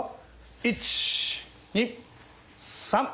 １２３。